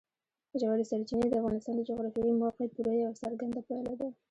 ژورې سرچینې د افغانستان د جغرافیایي موقیعت پوره یوه څرګنده پایله ده.